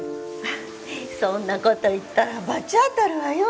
そんな事言ったら罰当たるわよ。